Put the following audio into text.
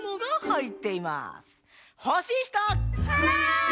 はい！